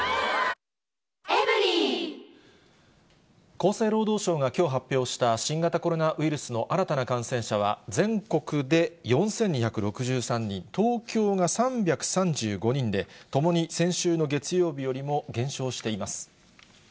厚生労働省がきょう発表した新型コロナウイルスの新たな感染者は、全国で４２６３人、東京が３３５人で、ともに先週の月曜日よりも減少しています。